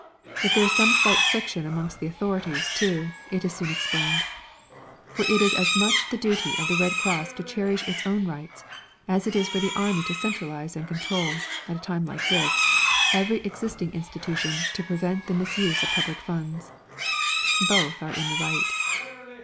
If there is some slight friction amongst the authorities, too, it is soon explained. For it is as much the duty of the Red Cross to cherish its own rights as it is for the Army to centralise and control, at a time like this, every existing institution to prevent the misuse of public funds. Both are in the right.